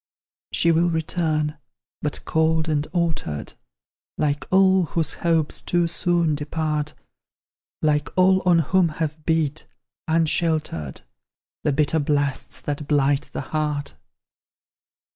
She will return, but cold and altered, Like all whose hopes too soon depart; Like all on whom have beat, unsheltered, The bitter blasts that blight the heart.